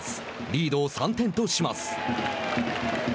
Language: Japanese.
リードを３点とします。